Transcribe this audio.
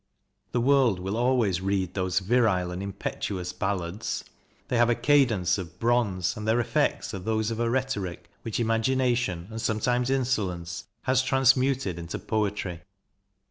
The world will always read those virile and impetuous ballads. They have a cadence of bronze, and their effects are those of a rhetoric which imagination and sometimes insolence has transmuted into poetry.